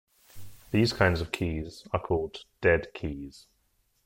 These kinds of keys are called dead keys.